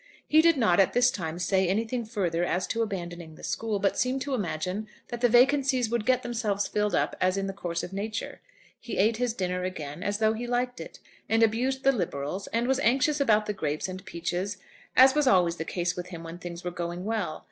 He did not at this time say anything further as to abandoning the school, but seemed to imagine that the vacancies would get themselves filled up as in the course of nature. He ate his dinner again as though he liked it, and abused the Liberals, and was anxious about the grapes and peaches, as was always the case with him when things were going well.